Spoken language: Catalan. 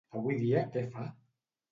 Avui dia què fa?